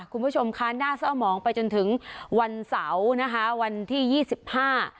คุณผู้ชมคะหน้าเศร้ามองไปจนถึงวันเสาร์นะคะวันที่ยี่สิบห้า